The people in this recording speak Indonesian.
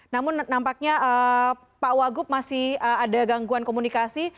namun nampaknya pak wagup masih ada gangguan komunikasi